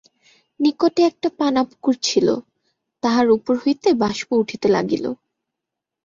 নিকটে একটা পানাপুকুর ছিল, তাহার উপর হইতে বাষ্প উঠিতে লাগিল।